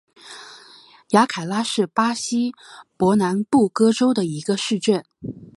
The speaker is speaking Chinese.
雅凯拉是巴西伯南布哥州的一个市镇。